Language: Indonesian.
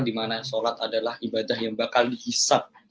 dimana sholat adalah ibadah yang bakal dihisap